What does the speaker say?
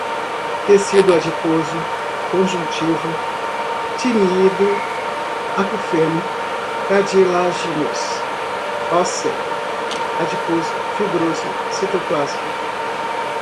tecido adiposo, conjuntivo, tinido, acufeno, cartilaginoso, óssea, adiposo, fibroso, citoplasma